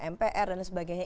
mpr dan sebagainya